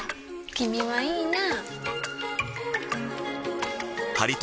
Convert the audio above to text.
君はいいなぁ。